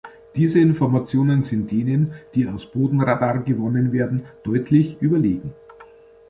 Diese Informationen sind denen, die aus Bodenradar gewonnen werden, deutlich überlegen.